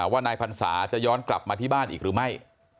ว่านายพรรษาจะย้อนกลับมาที่บ้านอีกหรือไม่